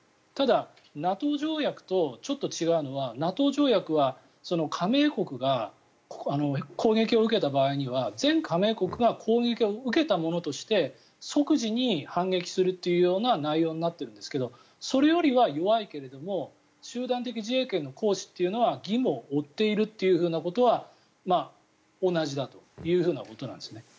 ただ、ＮＡＴＯ条約とちょっと違うのはＮＡＴＯ条約は加盟国が攻撃を受けた場合には全加盟国が攻撃を受けたものとして即時に反撃するというような内容になっているんですけどそれよりは弱いけれども集団的自衛権の行使というのは義務を負っているということは同じだということなんですね。